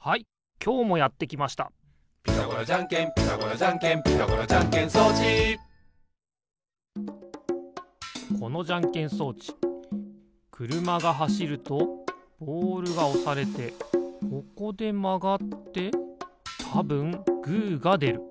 はいきょうもやってきました「ピタゴラじゃんけんピタゴラじゃんけん」「ピタゴラじゃんけん装置」このじゃんけん装置くるまがはしるとボールがおされてここでまがってたぶんグーがでる。